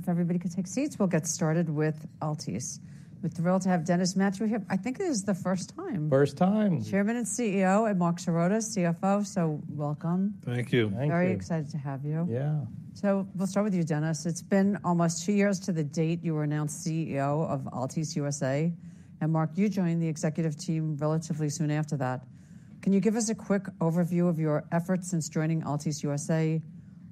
If everybody could take seats, we'll get started with Altice. We're thrilled to have Dennis Mathew here. I think it is the first time. First time. Chairman and CEO, and Marc Sirota, CFO. So, welcome. Thank you. Thank you. Very excited to have you. Yeah. We'll start with you, Dennis. It's been almost two years to the date you were announced CEO of Altice USA. Marc, you joined the executive team relatively soon after that. Can you give us a quick overview of your efforts since joining Altice USA?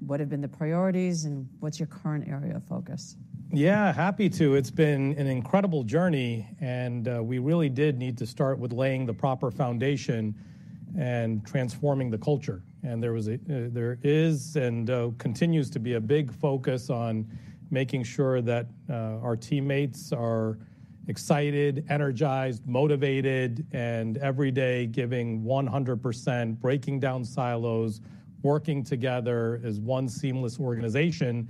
What have been the priorities, and what's your current area of focus? Yeah, happy to. It's been an incredible journey, and we really did need to start with laying the proper foundation and transforming the culture. There is and continues to be a big focus on making sure that our teammates are excited, energized, motivated, and every day giving 100%, breaking down silos, working together as one seamless organization,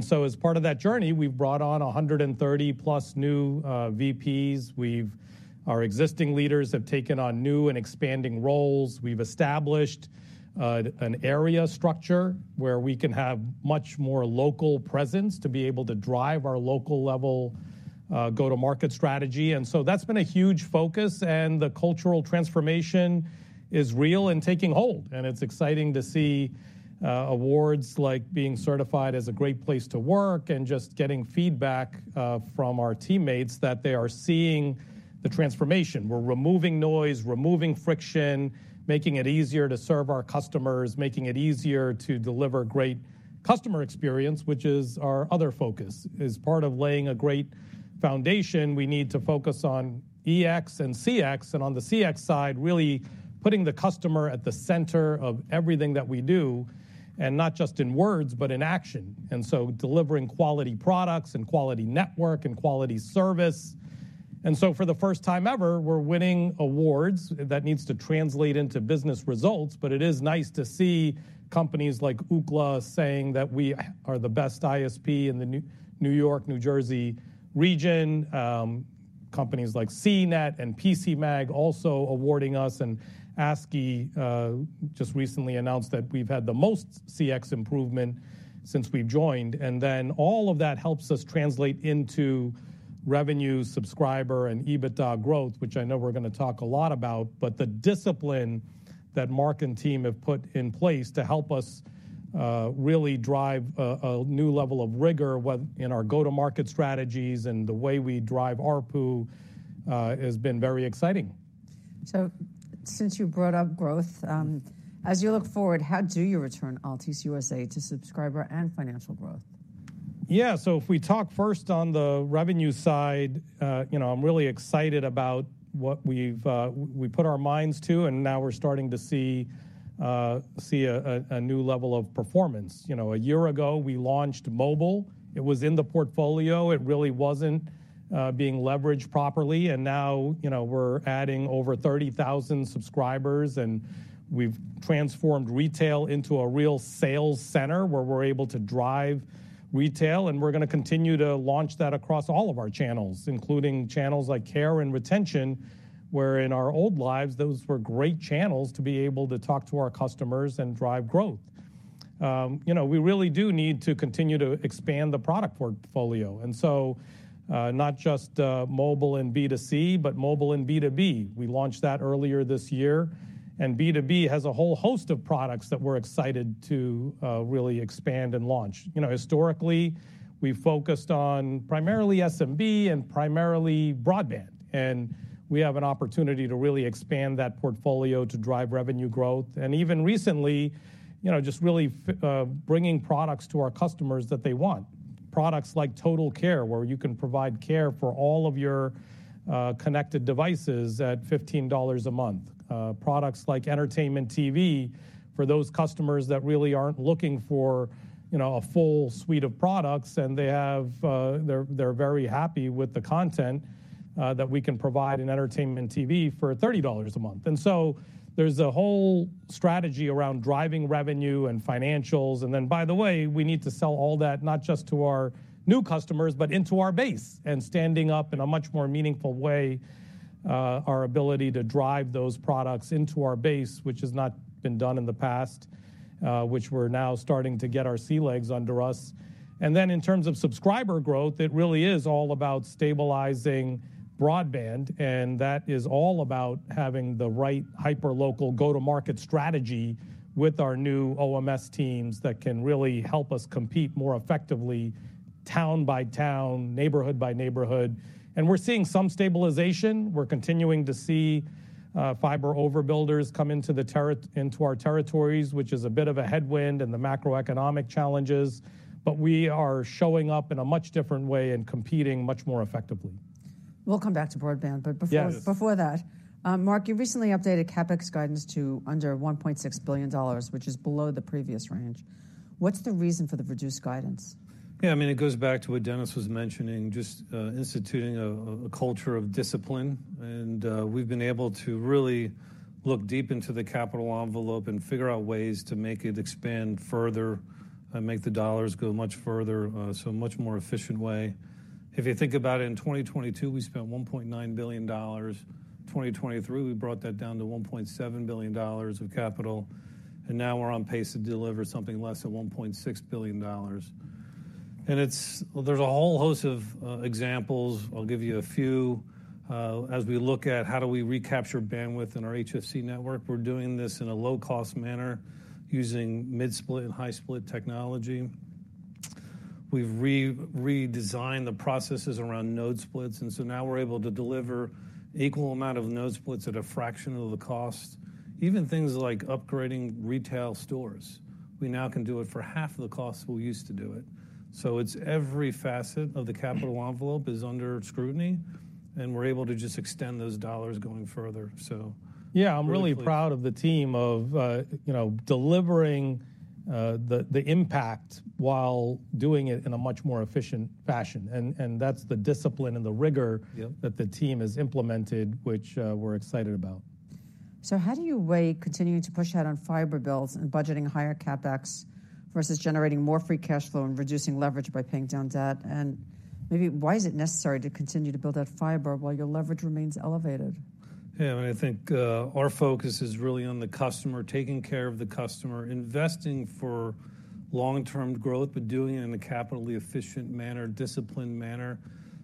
so as part of that journey, we've brought on 130-plus new VPs. Our existing leaders have taken on new and expanding roles. We've established an area structure where we can have much more local presence to be able to drive our local-level go-to-market strategy. And so that's been a huge focus, and the cultural transformation is real and taking hold, and it's exciting to see, awards like being certified as a great place to work and just getting feedback, from our teammates that they are seeing the transformation. We're removing noise, removing friction, making it easier to serve our customers, making it easier to deliver great customer experience, which is our other focus. As part of laying a great foundation, we need to focus on EX and CX, and on the CX side, really putting the customer at the center of everything that we do, and not just in words, but in action. And so delivering quality products and quality network and quality service. And so for the first time ever, we're winning awards. That needs to translate into business results, but it is nice to see companies like Ookla saying that we are the best ISP in the New York, New Jersey region. Companies like CNET and PCMag also awarding us, and ACSI just recently announced that we've had the most CX improvement since we've joined. Then all of that helps us translate into revenue, subscriber, and EBITDA growth, which I know we're going to talk a lot about, but the discipline that Marc and team have put in place to help us really drive a new level of rigor in our go-to-market strategies and the way we drive ARPU has been very exciting. Since you brought up growth, as you look forward, how do you return Altice USA to subscriber and financial growth? Yeah, so if we talk first on the revenue side, you know, I'm really excited about what we've, we put our minds to, and now we're starting to see a new level of performance. You know, a year ago, we launched mobile. It was in the portfolio. It really wasn't being leveraged properly, and now, you know, we're adding over thirty thousand subscribers, and we've transformed retail into a real sales center where we're able to drive retail, and we're going to continue to launch that across all of our channels, including channels like care and retention, where in our old lives, those were great channels to be able to talk to our customers and drive growth. You know, we really do need to continue to expand the product portfolio, and so, not just mobile and B2C, but mobile and B2B. We launched that earlier this year, and B2B has a whole host of products that we're excited to really expand and launch. You know, historically, we focused on primarily SMB and primarily broadband, and we have an opportunity to really expand that portfolio to drive revenue growth, and even recently, you know, just really bringing products to our customers that they want. Products like Total Care, where you can provide care for all of your connected devices at $15 a month. Products like Entertainment TV, for those customers that really aren't looking for, you know, a full suite of products, and they have... They're, they're very happy with the content that we can provide in Entertainment TV for $30 a month. And so there's a whole strategy around driving revenue and financials. And then, by the way, we need to sell all that not just to our new customers, but into our base, and standing up in a much more meaningful way our ability to drive those products into our base, which has not been done in the past, which we're now starting to get our sea legs under us. And then, in terms of subscriber growth, it really is all about stabilizing broadband, and that is all about having the right hyperlocal go-to-market strategy with our new OMS teams that can really help us compete more effectively, town by town, neighborhood by neighborhood. And we're seeing some stabilization. We're continuing to see fiber overbuilders come into our territories, which is a bit of a headwind and the macroeconomic challenges, but we are showing up in a much different way and competing much more effectively. We'll come back to broadband. Yes. Before that, Marc, you recently updated CapEx guidance to under $1.6 billion, which is below the previous range. What's the reason for the reduced guidance? Yeah, I mean, it goes back to what Dennis was mentioning, just, instituting a culture of discipline, and, we've been able to really look deep into the capital envelope and figure out ways to make it expand further and make the dollars go much further, so a much more efficient way. If you think about it, in 2022, we spent $1.9 billion. 2023, we brought that down to $1.7 billion of capital, and now we're on pace to deliver something less than $1.6 billion. And it's, there's a whole host of examples. I'll give you a few. As we look at how do we recapture bandwidth in our HFC network, we're doing this in a low-cost manner using mid-split and high-split technology. We've redesigned the processes around node splits, and so now we're able to deliver equal amount of node splits at a fraction of the cost. Even things like upgrading retail stores, we now can do it for half the cost we used to do it. So it's every facet of the capital envelope is under scrutiny, and we're able to just extend those dollars going further, so- Yeah, I'm really proud of the team of, you know, delivering the impact while doing it in a much more efficient fashion, and that's the discipline and the rigor. Yep That the team has implemented, which, we're excited about. So how do you weigh continuing to push out on fiber builds and budgeting higher CapEx versus generating more free cash flow and reducing leverage by paying down debt? And maybe why is it necessary to continue to build out fiber while your leverage remains elevated? Yeah, I think our focus is really on the customer, taking care of the customer, investing for long-term growth, but doing it in a capitally efficient manner, disciplined manner.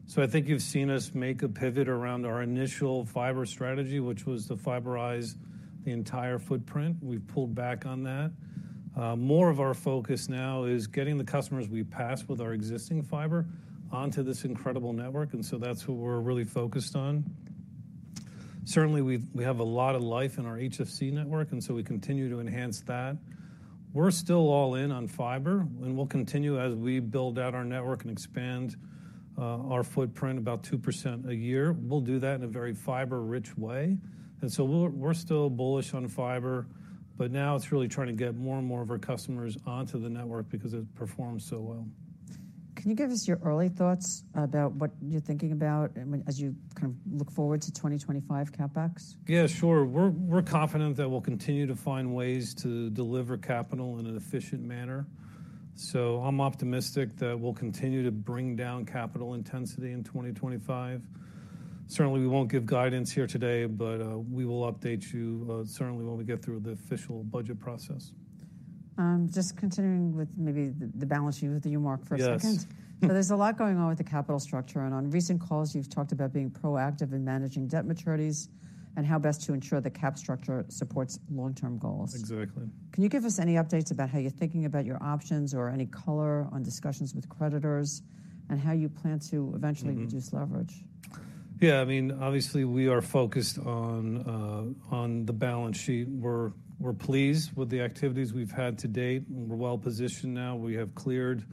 So I think you've seen us make a pivot around our initial fiber strategy, which was to fiberize the entire footprint. We've pulled back on that. More of our focus now is getting the customers we pass with our existing fiber onto this incredible network, and so that's what we're really focused on. Certainly, we have a lot of life in our HFC network, and so we continue to enhance that. We're still all in on fiber, and we'll continue as we build out our network and expand our footprint about 2% a year. We'll do that in a very fiber-rich way, and so we're still bullish on fiber, but now it's really trying to get more and more of our customers onto the network because it performs so well. Can you give us your early thoughts about what you're thinking about, I mean, as you kind of look forward to 2025 CapEx? Yeah, sure. We're confident that we'll continue to find ways to deliver capital in an efficient manner. So I'm optimistic that we'll continue to bring down capital intensity in 2025. Certainly, we won't give guidance here today, but we will update you certainly when we get through the official budget process. Just continuing with maybe the balance sheet with you, Marc, for a second. There's a lot going on with the capital structure, and on recent calls, you've talked about being proactive in managing debt maturities and how best to ensure the capital structure supports long-term goals. Exactly. Can you give us any updates about how you're thinking about your options or any color on discussions with creditors, and how you plan to eventually. Mm-hmm Reduce leverage? Yeah, I mean, obviously, we are focused on the balance sheet. We're pleased with the activities we've had to date. We're well-positioned now. We have cleared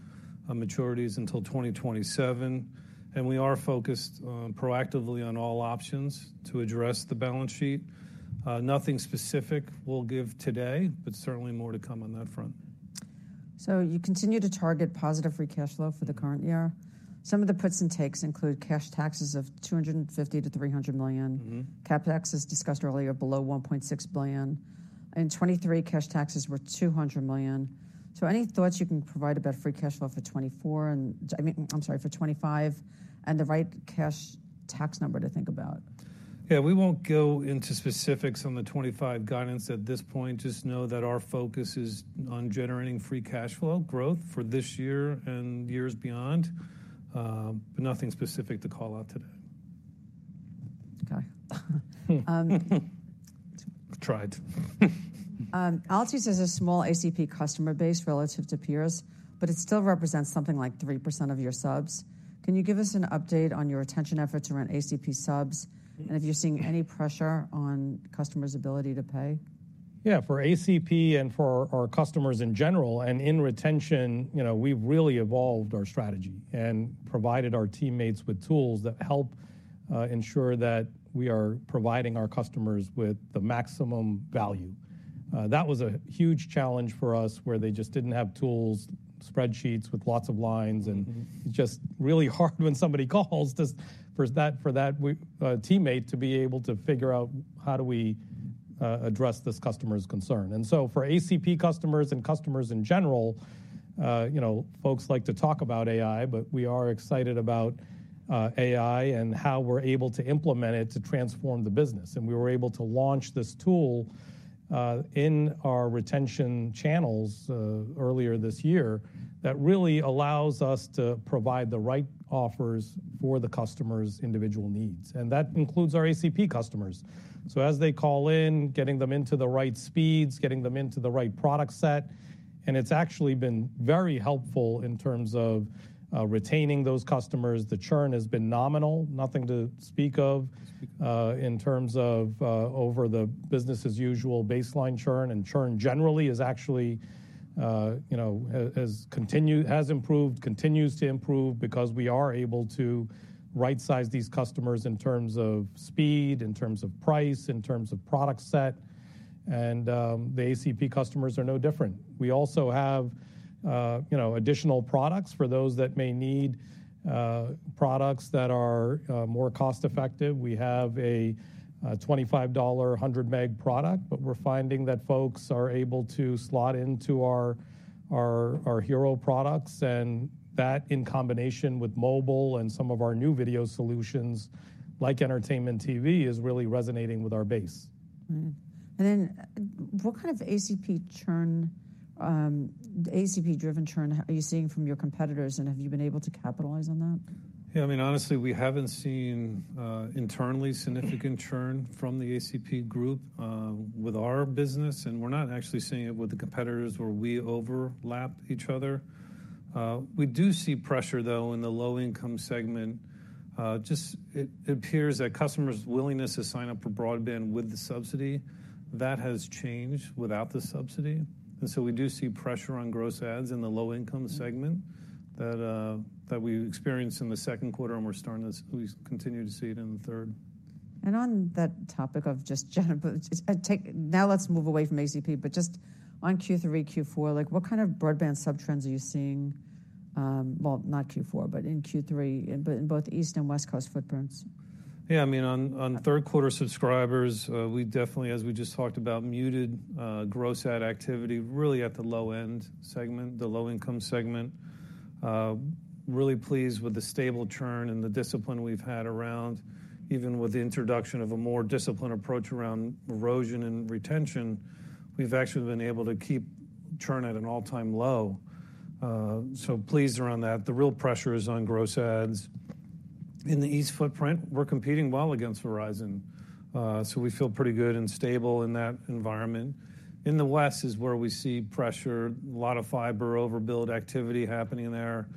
maturities until 2027, and we are focused proactively on all options to address the balance sheet. Nothing specific we'll give today, but certainly more to come on that front. So you continue to target positive free cash flow for the current year. Some of the puts and takes include cash taxes of $250-$300 million. Mm-hmm. CapEx, as discussed earlier, below $1.6 billion. In 2023, cash taxes were $200 million. So any thoughts you can provide about free cash flow for 2024 and... I'm sorry, for 2025, and the right cash tax number to think about? Yeah, we won't go into specifics on the 2025 guidance at this point. Just know that our focus is on generating free cash flow growth for this year and years beyond, but nothing specific to call out today. Okay. Tried. Altice has a small ACP customer base relative to peers, but it still represents something like 3% of your subs. Can you give us an update on your retention efforts around ACP subs, and if you're seeing any pressure on customers' ability to pay? Yeah, for ACP and for our customers in general, and in retention, you know, we've really evolved our strategy and provided our teammates with tools that help ensure that we are providing our customers with the maximum value. That was a huge challenge for us, where they just didn't have tools, spreadsheets with lots of lines, and. Mm-hmm Just really hard when somebody calls, just for that, for that teammate to be able to figure out, how do we address this customer's concern? And so for ACP customers and customers in general, you know, folks like to talk about AI, but we are excited about AI and how we're able to implement it to transform the business. And we were able to launch this tool in our retention channels earlier this year, that really allows us to provide the right offers for the customer's individual needs, and that includes our ACP customers. So as they call in, getting them into the right speeds, getting them into the right product set, and it's actually been very helpful in terms of retaining those customers. The churn has been nominal, nothing to speak of, in terms of over the business as usual baseline churn. Churn, generally, is actually, you know, has improved, continues to improve because we are able to rightsize these customers in terms of speed, in terms of price, in terms of product set. The ACP customers are no different. We also have, you know, additional products for those that may need products that are more cost-effective. We have a $25, 100 meg product, but we're finding that folks are able to slot into our hero products, and that in combination with mobile and some of our new video solutions, like Entertainment TV, is really resonating with our base. Mm-hmm. And then what kind of ACP churn, ACP-driven churn are you seeing from your competitors, and have you been able to capitalize on that? Yeah, I mean, honestly, we haven't seen internally significant churn from the ACP group with our business, and we're not actually seeing it with the competitors where we overlap each other. We do see pressure, though, in the low-income segment. It appears that customers' willingness to sign up for broadband with the subsidy, that has changed without the subsidy, and so we do see pressure on gross adds in the low-income segment that we experienced in the second quarter, and we continue to see it in the third. On that topic of just general, but now let's move away from ACP, but just on Q3, Q4, like, what kind of broadband subscriber trends are you seeing? Well, not Q4, but in Q3, in both East and West Coast footprints? Yeah, I mean, on, on third quarter subscribers, we definitely, as we just talked about, muted, gross add activity really at the low-end segment, the low-income segment. Really pleased with the stable churn and the discipline we've had around... Even with the introduction of a more disciplined approach around erosion and retention, we've actually been able to keep churn at an all-time low. So pleased around that. The real pressure is on gross adds. In the East footprint, we're competing well against Verizon, so we feel pretty good and stable in that environment. In the West is where we see pressure, a lot of fiber overbuild activity happening there,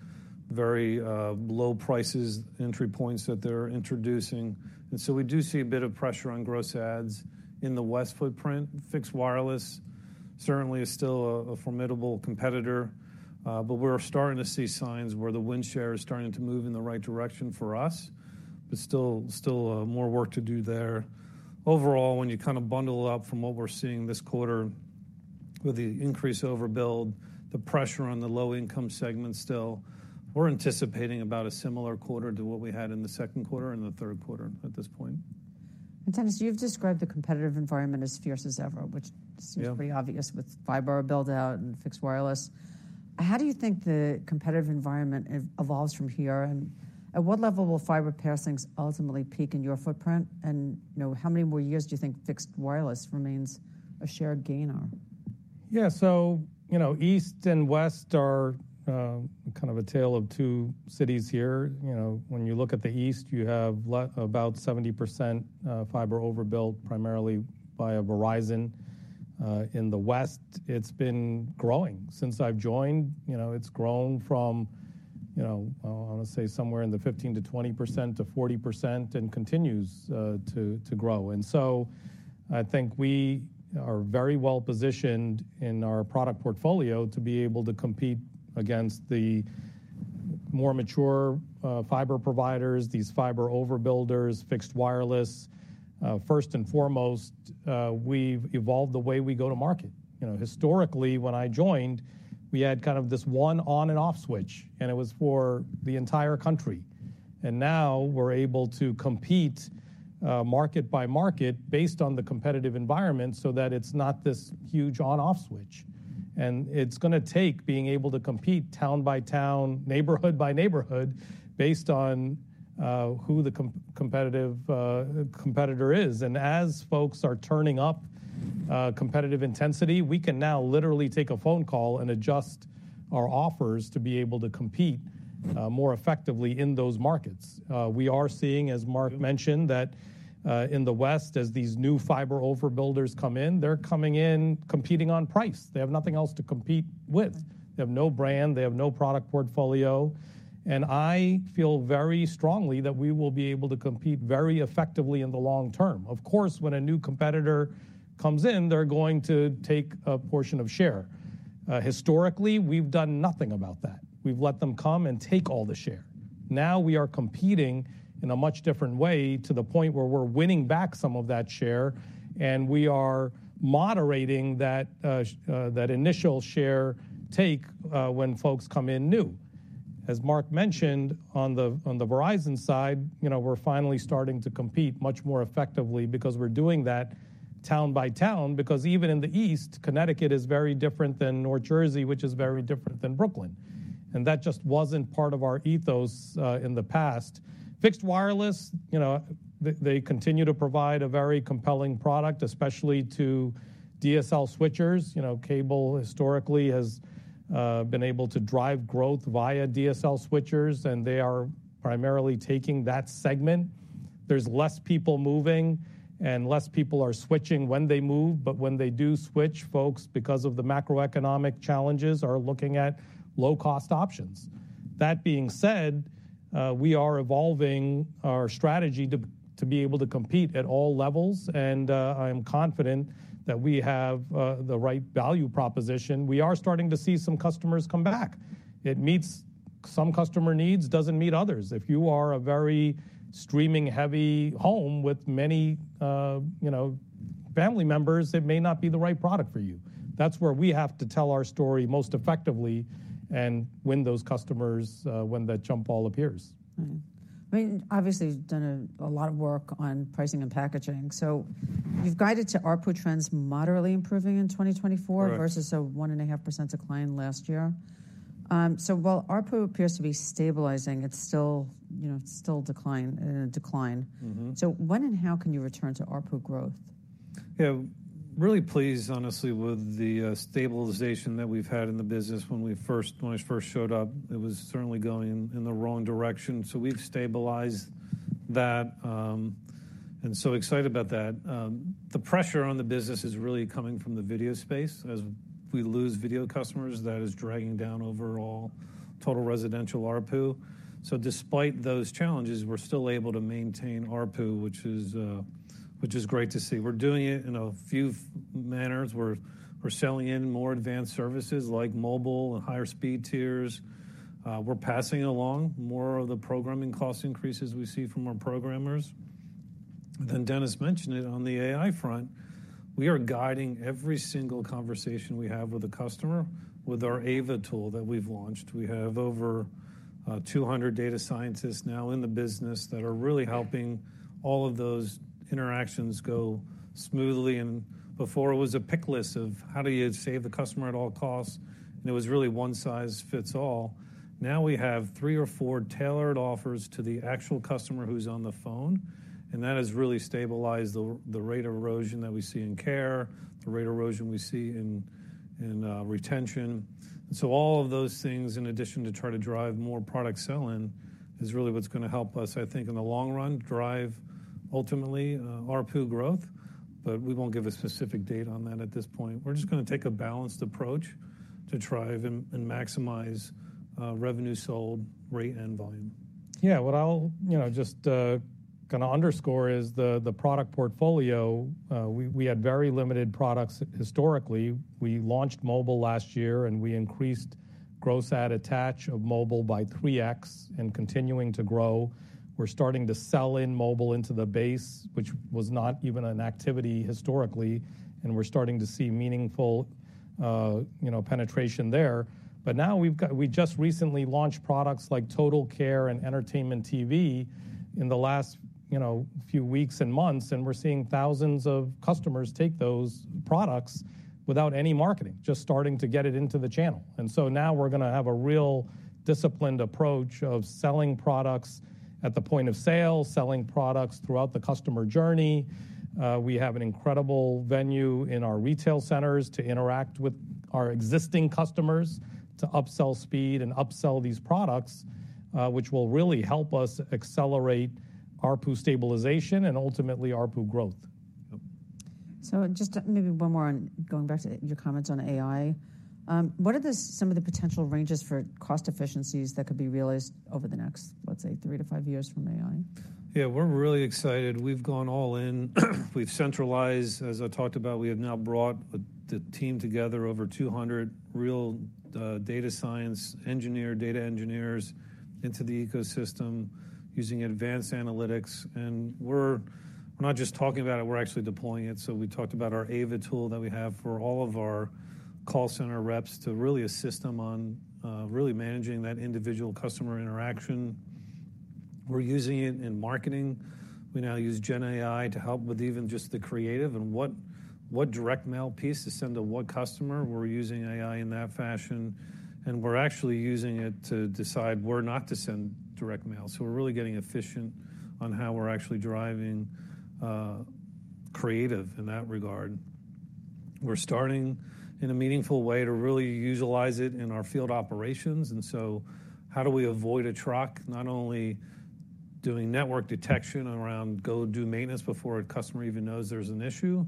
very, low prices, entry points that they're introducing. And so we do see a bit of pressure on gross adds in the West footprint. Fixed wireless certainly is still a formidable competitor, but we're starting to see signs where the win share is starting to move in the right direction for us, but still, more work to do there. Overall, when you kind of bundle it up from what we're seeing this quarter, with the increase overbuild, the pressure on the low-income segment still, we're anticipating about a similar quarter to what we had in the second quarter and the third quarter at this point. Dennis, you've described the competitive environment as fierce as ever. Yeah Which seems pretty obvious with fiber build-out and fixed wireless. How do you think the competitive environment evolves from here, and at what level will fiber passings ultimately peak in your footprint? And, you know, how many more years do you think fixed wireless remains a shared gainer? Yeah, so, you know, East and West are kind of a tale of two cities here. You know, when you look at the East, you have about 70% fiber overbuild, primarily by Verizon. In the West, it's been growing. Since I've joined, you know, it's grown from, you know, I want to say somewhere in the 15%-20% to 40% and continues to grow. And so I think we are very well-positioned in our product portfolio to be able to compete against the more mature fiber providers, these fiber overbuilders, fixed wireless. First and foremost, we've evolved the way we go to market. You know, historically, when I joined, we had kind of this one on and off switch, and it was for the entire country. And now we're able to compete, market by market based on the competitive environment so that it's not this huge on/off switch. And it's gonna take being able to compete town by town, neighborhood by neighborhood, based on who the competitive competitor is. And as folks are turning up competitive intensity, we can now literally take a phone call and adjust our offers to be able to compete more effectively in those markets. We are seeing, as Marc mentioned, that in the West, as these new fiber overbuilders come in, they're coming in competing on price. They have nothing else to compete with. They have no brand. They have no product portfolio. And I feel very strongly that we will be able to compete very effectively in the long term. Of course, when a new competitor comes in, they're going to take a portion of share. Historically, we've done nothing about that. We've let them come and take all the share. Now we are competing in a much different way, to the point where we're winning back some of that share, and we are moderating that initial share take when folks come in new. As Marc mentioned, on the Verizon side, you know, we're finally starting to compete much more effectively because we're doing that town by town, because even in the East, Connecticut is very different than North Jersey, which is very different than Brooklyn. And that just wasn't part of our ethos in the past. Fixed wireless, you know, they continue to provide a very compelling product, especially to DSL switchers. You know, cable historically has been able to drive growth via DSL switchers, and they are primarily taking that segment. There's less people moving, and less people are switching when they move, but when they do switch, folks, because of the macroeconomic challenges, are looking at low-cost options. That being said, we are evolving our strategy to be able to compete at all levels, and I am confident that we have the right value proposition. We are starting to see some customers come back. It meets some customer needs, doesn't meet others. If you are a very streaming-heavy home with many, you know, family members, it may not be the right product for you. That's where we have to tell our story most effectively and win those customers when that jump ball appears. Right. I mean, obviously, you've done a lot of work on pricing and packaging. So you've guided to ARPU trends moderately improving in 2024. Correct Versus a 1.5% decline last year. So while ARPU appears to be stabilizing, it's still, you know, still in a decline. Mm-hmm. When and how can you return to ARPU growth? Yeah. Really pleased, honestly, with the stabilization that we've had in the business. When I first showed up, it was certainly going in the wrong direction, so we've stabilized that, and so excited about that. The pressure on the business is really coming from the video space. As we lose video customers, that is dragging down overall total residential ARPU. So despite those challenges, we're still able to maintain ARPU, which is, which is great to see. We're doing it in a few manners. We're selling in more advanced services, like mobile and higher speed tiers. We're passing along more of the programming cost increases we see from our programmers. Then Dennis mentioned it. On the AI front, we are guiding every single conversation we have with a customer with our AVA tool that we've launched. We have over 200 data scientists now in the business that are really helping all of those interactions go smoothly. And before, it was a pick list of: How do you save the customer at all costs? And it was really one size fits all. Now we have three or four tailored offers to the actual customer who's on the phone, and that has really stabilized the rate of erosion that we see in care, the rate of erosion we see in retention. So all of those things, in addition to try to drive more product sell-in, is really what's gonna help us, I think, in the long run, drive ultimately ARPU growth. But we won't give a specific date on that at this point. We're just gonna take a balanced approach to drive and maximize revenue sold, rate and volume. Yeah. What I'll, you know, just kinda underscore is the product portfolio. We had very limited products historically. We launched mobile last year, and we increased gross add attach of mobile by 3X, and continuing to grow. We're starting to sell in mobile into the base, which was not even an activity historically, and we're starting to see meaningful, you know, penetration there. But now we've got. We just recently launched products like Total Care and Entertainment TV in the last, you know, few weeks and months, and we're seeing thousands of customers take those products without any marketing, just starting to get it into the channel. And so now we're gonna have a real disciplined approach of selling products at the point of sale, selling products throughout the customer journey. We have an incredible venue in our retail centers to interact with our existing customers, to upsell speed and upsell these products, which will really help us accelerate ARPU stabilization and ultimately ARPU growth. Yep. Just maybe one more on going back to your comments on AI. What are some of the potential ranges for cost efficiencies that could be realized over the next, let's say, three to five years from AI? Yeah, we're really excited. We've gone all in. We've centralized, as I talked about. We have now brought the team together, over 200 real data science engineer, data engineers into the ecosystem using advanced analytics. And we're not just talking about it, we're actually deploying it. So we talked about our AVA tool that we have for all of our call center reps to really assist them on really managing that individual customer interaction. We're using it in marketing. We now use GenAI to help with even just the creative and what direct mail piece to send to what customer. We're using AI in that fashion, and we're actually using it to decide where not to send direct mail. So we're really getting efficient on how we're actually driving creative in that regard. We're starting in a meaningful way to really utilize it in our field operations, and so how do we avoid a truck, not only doing network detection around go do maintenance before a customer even knows there's an issue?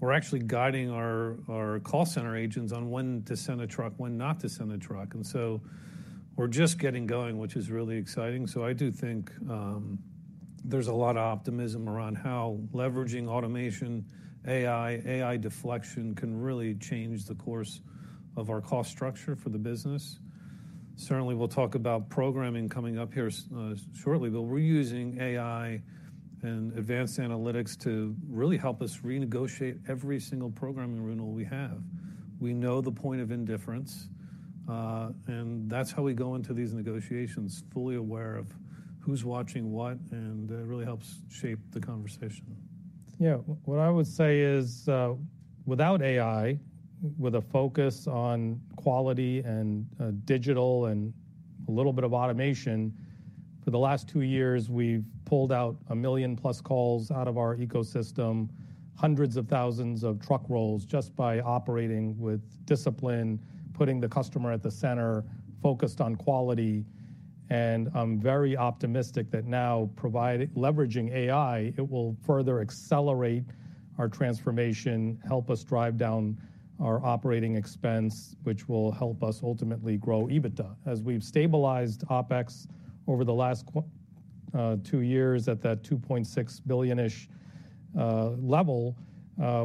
We're actually guiding our call center agents on when to send a truck, when not to send a truck, and so we're just getting going, which is really exciting. So I do think, there's a lot of optimism around how leveraging automation, AI, AI deflection, can really change the course of our cost structure for the business. Certainly, we'll talk about programming coming up here shortly, but we're using AI and advanced analytics to really help us renegotiate every single programming renewal we have. We know the point of indifference, and that's how we go into these negotiations, fully aware of who's watching what, and that really helps shape the conversation. Yeah. What I would say is, without AI, with a focus on quality and, digital and a little bit of automation, for the last two years, we've pulled out a million-plus calls out of our ecosystem, hundreds of thousands of truck rolls, just by operating with discipline, putting the customer at the center, focused on quality. I'm very optimistic that now providing... Leveraging AI, it will further accelerate our transformation, help us drive down our operating expense, which will help us ultimately grow EBITDA. As we've stabilized OpEx over the last two years at that $2.6 billion-ish level,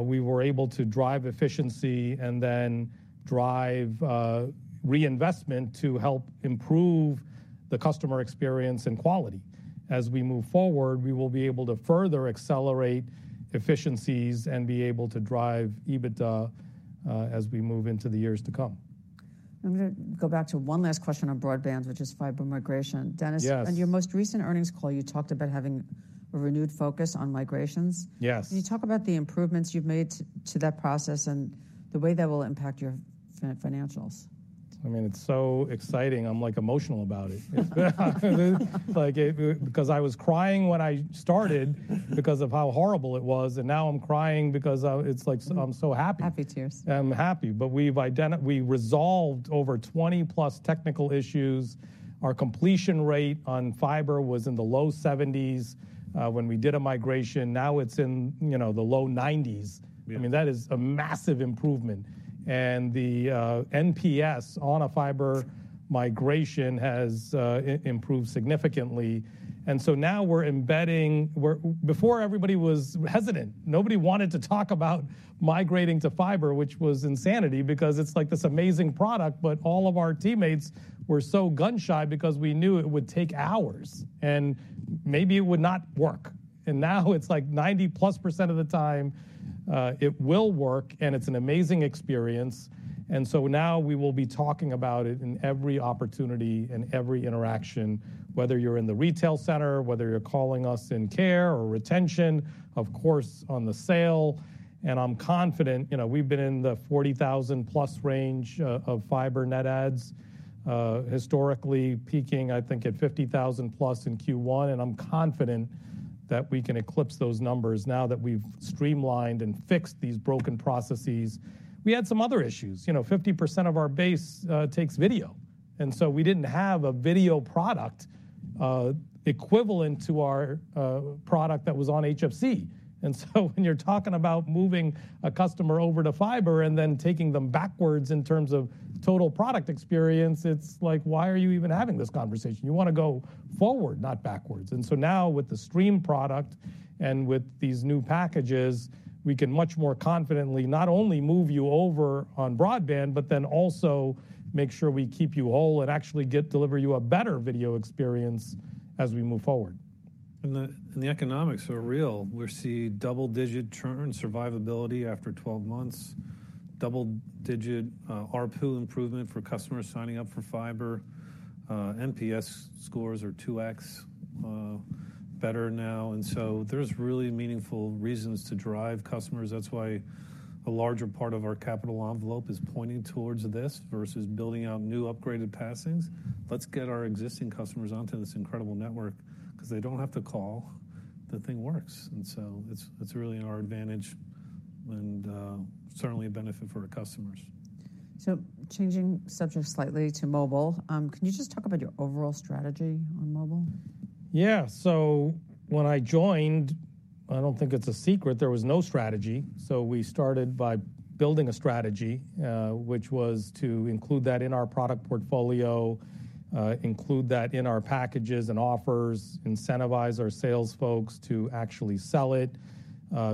we were able to drive efficiency and then drive reinvestment to help improve the customer experience and quality. As we move forward, we will be able to further accelerate efficiencies and be able to drive EBITDA as we move into the years to come. I'm gonna go back to one last question on broadband, which is fiber migration. Dennis. Yes. On your most recent earnings call, you talked about having a renewed focus on migrations. Yes. Can you talk about the improvements you've made to that process and the way that will impact your financials? I mean, it's so exciting. I'm like emotional about it. Like it it. Because I was crying when I started because of how horrible it was, and now I'm crying because it's like I'm so happy. Happy tears. I'm happy. But we've identified we resolved over 20+ technical issues. Our completion rate on fiber was in the low 70s when we did a migration. Now it's in, you know, the low 90s. Yeah. I mean, that is a massive improvement, and the NPS on a fiber migration has improved significantly. And so now we're embedding. Before, everybody was hesitant. Nobody wanted to talk about migrating to fiber, which was insanity because it's, like, this amazing product, but all of our teammates were so gun-shy because we knew it would take hours, and maybe it would not work. And now it's like 90%+ of the time, it will work, and it's an amazing experience. And so now we will be talking about it in every opportunity and every interaction, whether you're in the retail center, whether you're calling us in care or retention, of course, on the sale. And I'm confident. You know, we've been in the 40,000-plus range of fiber net adds historically peaking, I think, at 50,000-plus in Q1, and I'm confident that we can eclipse those numbers now that we've streamlined and fixed these broken processes. We had some other issues. You know, 50% of our base takes video, and so we didn't have a video product equivalent to our product that was on HFC. And so when you're talking about moving a customer over to fiber and then taking them backwards in terms of total product experience, it's like, why are you even having this conversation? You want to go forward, not backwards. And so now, with the Stream product and with these new packages, we can much more confidently not only move you over on broadband, but then also make sure we keep you whole and actually get, deliver you a better video experience as we move forward. And the economics are real. We're seeing double-digit churn survivability after twelve months, double-digit ARPU improvement for customers signing up for fiber. NPS scores are 2 better now, and so there's really meaningful reasons to drive customers. That's why a larger part of our capital envelope is pointing towards this versus building out new upgraded passings. Let's get our existing customers onto this incredible network, 'cause they don't have to call. The thing works, and so it's really in our advantage and certainly a benefit for our customers. So changing subject slightly to mobile, can you just talk about your overall strategy on mobile? Yeah. So when I joined, I don't think it's a secret, there was no strategy. So we started by building a strategy, which was to include that in our product portfolio, include that in our packages and offers, incentivize our sales folks to actually sell it,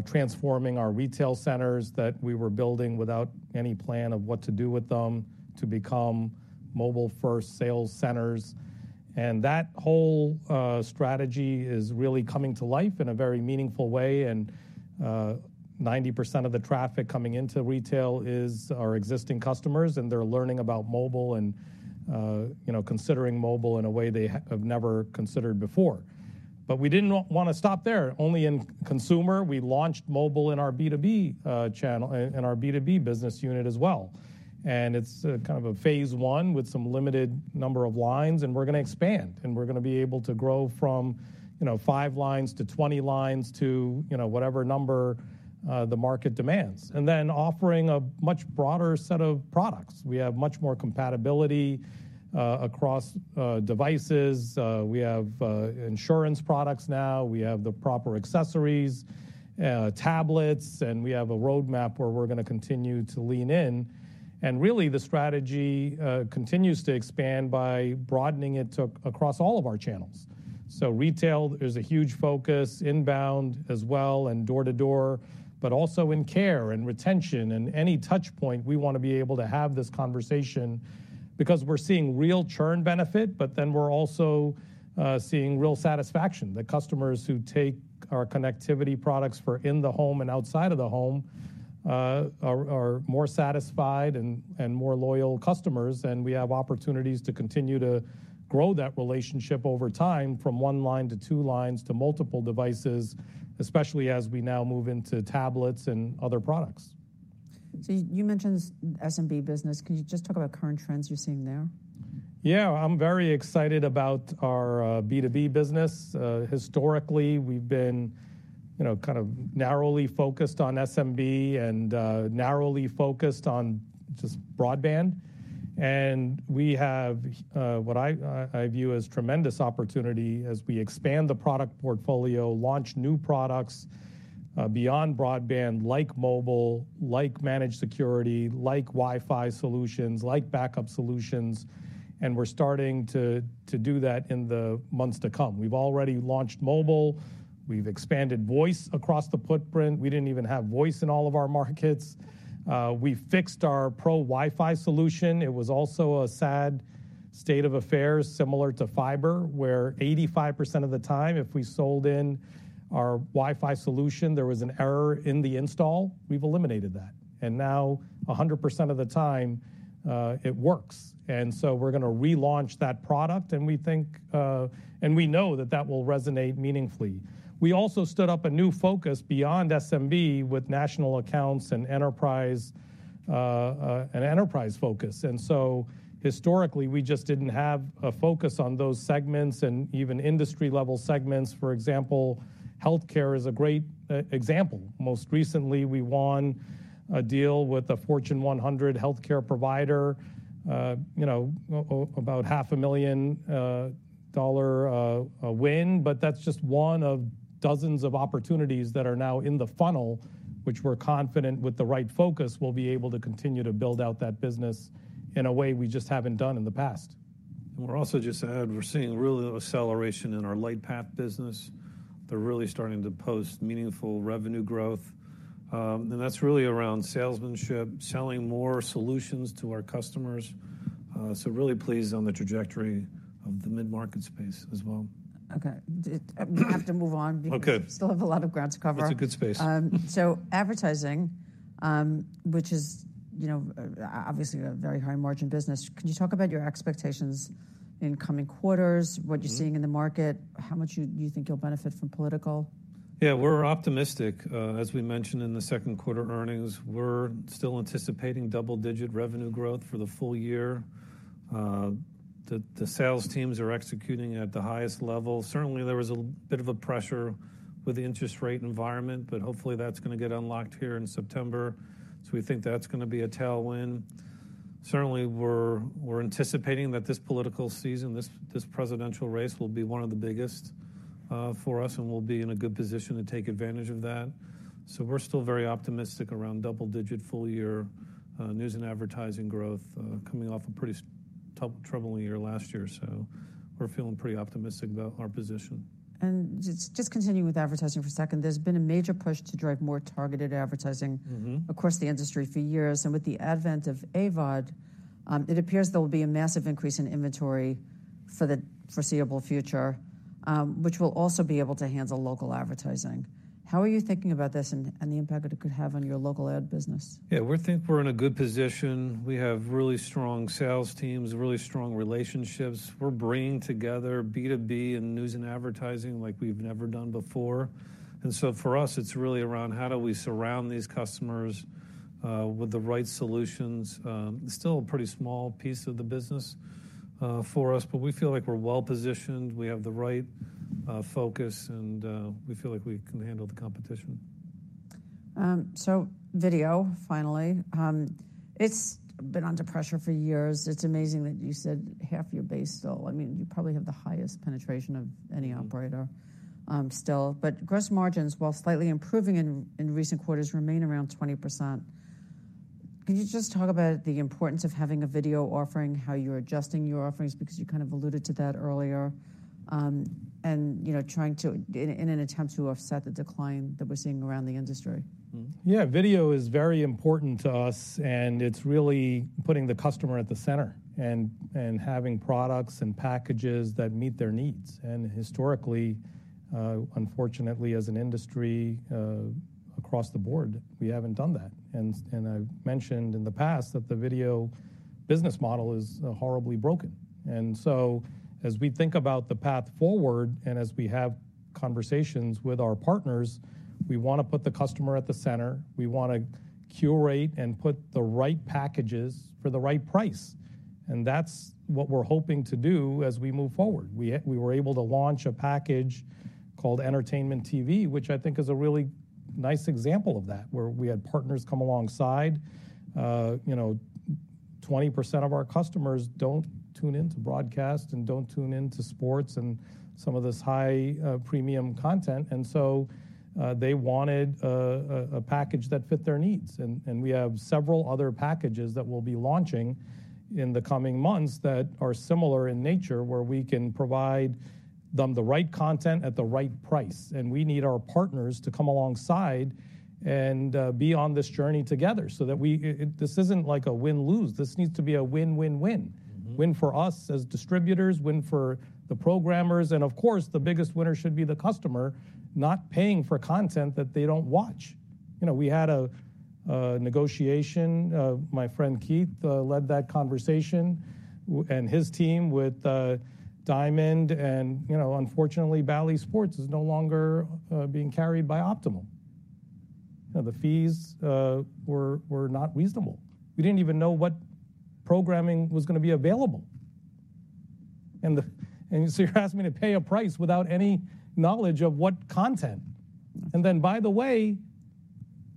transforming our retail centers that we were building without any plan of what to do with them to become mobile-first sales centers. And that whole strategy is really coming to life in a very meaningful way, and 90% of the traffic coming into retail is our existing customers, and they're learning about mobile and, you know, considering mobile in a way they have never considered before. But we didn't wanna stop there. Only in consumer, we launched mobile in our B2B channel, in our B2B business unit as well. It's kind of a phase one with some limited number of lines, and we're gonna expand, and we're gonna be able to grow from, you know, five lines to 20 lines to, you know, whatever number the market demands. And then offering a much broader set of products. We have much more compatibility across devices. We have insurance products now. We have the proper accessories, tablets, and we have a roadmap where we're gonna continue to lean in. And really, the strategy continues to expand by broadening it across all of our channels. So retail is a huge focus, inbound as well, and door-to-door, but also in care and retention and any touch point. We wanna be able to have this conversation because we're seeing real churn benefit, but then we're also seeing real satisfaction. The customers who take our connectivity products for in the home and outside of the home are more satisfied and more loyal customers, and we have opportunities to continue to grow that relationship over time from one line to two lines to multiple devices, especially as we now move into tablets and other products. So you mentioned SMB business. Can you just talk about current trends you're seeing there? Yeah. I'm very excited about our B2B business. Historically, we've been, you know, kind of narrowly focused on SMB and narrowly focused on just broadband. And we have what I view as tremendous opportunity as we expand the product portfolio, launch new products beyond broadband, like mobile, like managed security, like WiFi solutions, like backup solutions, and we're starting to do that in the months to come. We've already launched mobile. We've expanded voice across the footprint. We didn't even have voice in all of our markets. We fixed our Pro WiFi solution. It was also a sad state of affairs, similar to fiber, where 85% of the time, if we sold in our WiFi solution, there was an error in the install. We've eliminated that, and now 100% of the time it works. And so we're gonna relaunch that product, and we think and we know that that will resonate meaningfully. We also stood up a new focus beyond SMB with national accounts and enterprise, an enterprise focus, and so historically, we just didn't have a focus on those segments and even industry-level segments. For example, healthcare is a great example. Most recently, we won a deal with a Fortune 100 healthcare provider, you know, about $500,000 a win, but that's just one of dozens of opportunities that are now in the funnel, which we're confident, with the right focus, we'll be able to continue to build out that business in a way we just haven't done in the past. We're also just ahead, we're seeing real acceleration in our Lightpath business. They're really starting to post meaningful revenue growth. That's really around salesmanship, selling more solutions to our customers. Really pleased on the trajectory of the mid-market space as well. Okay. Did we have to move on? Okay. We still have a lot of ground to cover. It's a good space. So advertising, which is, you know, obviously a very high-margin business, could you talk about your expectations in coming quarters? Mm-hmm. What you're seeing in the market, how much you think you'll benefit from political? Yeah, we're optimistic. As we mentioned in the second quarter earnings, we're still anticipating double-digit revenue growth for the full year. The sales teams are executing at the highest level. Certainly, there was a bit of a pressure with the interest rate environment, but hopefully, that's gonna get unlocked here in September, so we think that's gonna be a tailwind. Certainly, we're anticipating that this political season, this presidential race will be one of the biggest for us, and we'll be in a good position to take advantage of that. So we're still very optimistic around double-digit full-year news and advertising growth, coming off a pretty tough, troubling year last year, so we're feeling pretty optimistic about our position. And just continue with advertising for a second. There's been a major push to drive more targeted advertising. Mm-hmm Across the industry for years, and with the advent of AVOD, it appears there will be a massive increase in inventory for the foreseeable future, which will also be able to handle local advertising. How are you thinking about this and the impact that it could have on your local ad business? Yeah, we think we're in a good position. We have really strong sales teams, really strong relationships. We're bringing together B2B and news and advertising like we've never done before. And so for us, it's really around: How do we surround these customers with the right solutions? Still a pretty small piece of the business for us, but we feel like we're well-positioned, we have the right focus, and we feel like we can handle the competition. So video, finally. It's been under pressure for years. It's amazing that you said half your base still. I mean, you probably have the highest penetration of any operator, still, but gross margins, while slightly improving in recent quarters, remain around 20%. Can you just talk about the importance of having a video offering, how you're adjusting your offerings? Because you kind of alluded to that earlier, and, you know, trying to... In an attempt to offset the decline that we're seeing around the industry. Mm-hmm. Yeah, video is very important to us, and it's really putting the customer at the center and having products and packages that meet their needs. And historically, unfortunately, as an industry, across the board, we haven't done that. And I've mentioned in the past that the video business model is horribly broken. And so as we think about the path forward and as we have conversations with our partners, we wanna put the customer at the center. We wanna curate and put the right packages for the right price, and that's what we're hoping to do as we move forward. We were able to launch a package called Entertainment TV, which I think is a really nice example of that, where we had partners come alongside. You know, 20% of our customers don't tune in to broadcast and don't tune in to sports and some of this high premium content, and so they wanted a package that fit their needs. And we have several other packages that we'll be launching in the coming months that are similar in nature, where we can provide them the right content at the right price. We need our partners to come alongside and be on this journey together so that we this isn't like a win-lose. This needs to be a win-win-win. Win for us as distributors, win for the programmers, and of course, the biggest winner should be the customer, not paying for content that they don't watch. You know, we had a negotiation. My friend Keith led that conversation and his team with Diamond, and you know, unfortunately, Bally Sports is no longer being carried by Optimum. The fees were not reasonable. We didn't even know what programming was gonna be available, and so you're asking me to pay a price without any knowledge of what content.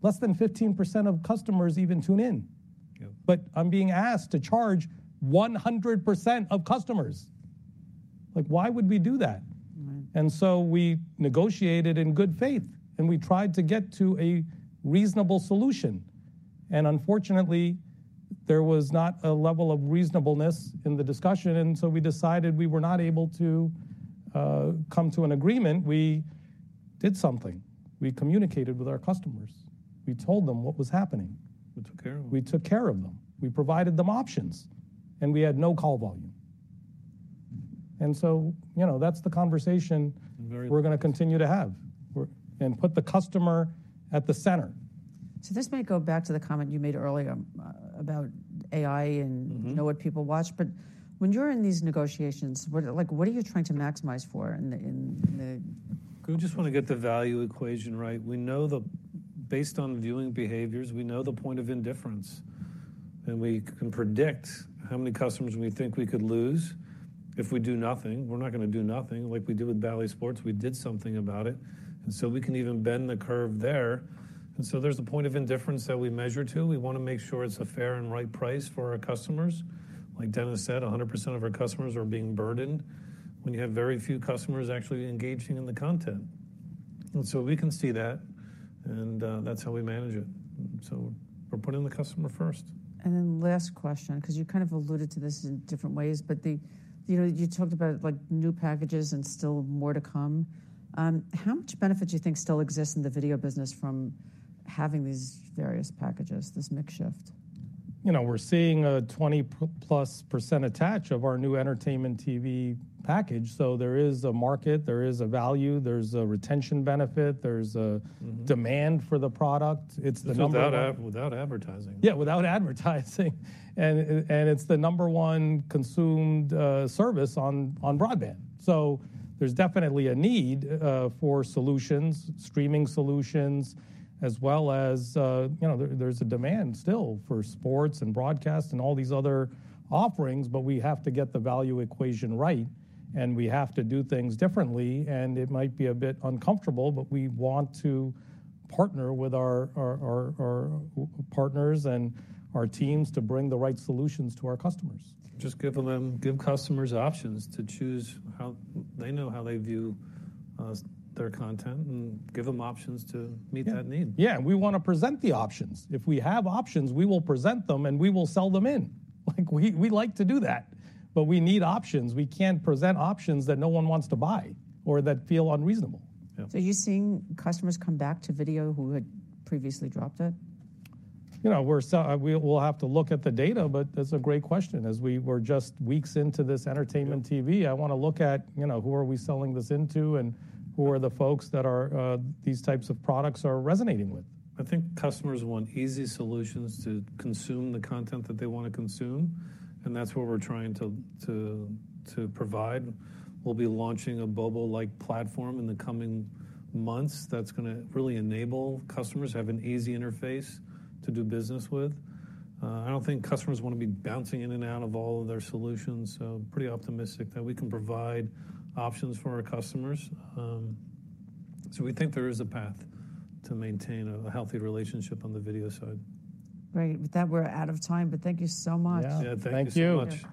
Less than 15% of customers even tune in. Yep. But I'm being asked to charge 100% of customers! Like, why would we do that? Right. And so we negotiated in good faith, and we tried to get to a reasonable solution, and unfortunately, there was not a level of reasonableness in the discussion, and so we decided we were not able to come to an agreement. We did something. We communicated with our customers. We told them what was happening. We took care of them. We took care of them. We provided them options, and we had no call volume, and so, you know, that's the conversation. Very. We're gonna continue to have and put the customer at the center. So this may go back to the comment you made earlier, about AI and know what people watch, but when you're in these negotiations, like, what are you trying to maximize for in the. We just wanna get the value equation right. We know the... Based on viewing behaviors, we know the point of indifference, and we can predict how many customers we think we could lose if we do nothing. We're not gonna do nothing like we did with Bally Sports. We did something about it, and so we can even bend the curve there, and so there's a point of indifference that we measure to. We wanna make sure it's a fair and right price for our customers. Like Dennis said, 100% of our customers are being burdened when you have very few customers actually engaging in the content, and so we can see that, and that's how we manage it, so we're putting the customer first. Last question, 'cause you kind of alluded to this in different ways, but the, you know, you talked about, like, new packages and still more to come. How much benefit do you think still exists in the video business from having these various packages, this mix shift? You know, we're seeing a 20%+ attach of our new Entertainment TV package, so there is a market, there is a value, there's a retention benefit, there's a. Mm-hmm Demand for the product. It's the number. Without advertising. Yeah, without advertising. And it's the number one consumed service on broadband. So there's definitely a need for solutions, streaming solutions, as well as, you know, there's a demand still for sports and broadcast and all these other offerings, but we have to get the value equation right, and we have to do things differently, and it might be a bit uncomfortable, but we want to partner with our partners and our teams to bring the right solutions to our customers. Just giving them, give customers options to choose how... They know how they view their content, and give them options to meet that need. Yeah, yeah. We wanna present the options. If we have options, we will present them, and we will sell them in. Like, we, we like to do that, but we need options. We can't present options that no one wants to buy or that feel unreasonable. Yeah. So are you seeing customers come back to video who had previously dropped it? You know, we'll have to look at the data, but that's a great question. As we're just weeks into this Entertainment TV, I wanna look at, you know, who are we selling this into, and who are the folks that are these types of products are resonating with? I think customers want easy solutions to consume the content that they wanna consume, and that's what we're trying to provide. We'll be launching a mobile-like platform in the coming months that's gonna really enable customers to have an easy interface to do business with. I don't think customers wanna be bouncing in and out of all of their solutions, so pretty optimistic that we can provide options for our customers. So we think there is a path to maintain a healthy relationship on the video side. Great. With that, we're out of time, but thank you so much. Yeah. Yeah, thank you so much.